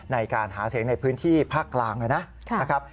ในการหาเสียงในพื้นที่ภาคกลางนะครับ